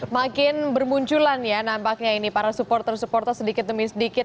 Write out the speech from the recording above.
makin bermunculan ya nampaknya ini para supporter supporter sedikit demi sedikit